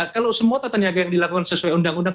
kalau semua tata niaga yang dilakukan sesuai undang undang